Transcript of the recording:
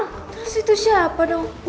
terus itu siapa dong